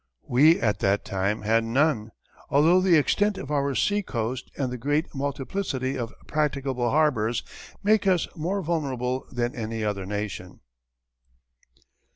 We at that time had none, although the extent of our sea coast and the great multiplicity of practicable harbours make us more vulnerable than any other nation.